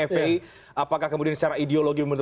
fpi apakah kemudian secara ideologi